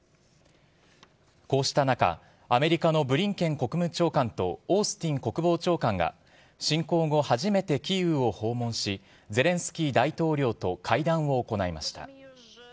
こうした中、アメリカのブリンケン国務長官とオースティン国防長官が、侵攻後、初めてキーウを訪問し、ゼレンスキー大統領と会談を行いました。